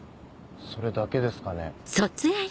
それだけですかね。